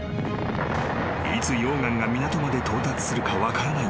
［いつ溶岩が港まで到達するか分からない